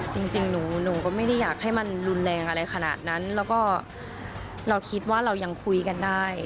จริงหนูก็ไม่ได้อยากให้มันรุนแรงอะไรขนาดนั้นแล้วก็เราคิดว่าเรายังคุยกันได้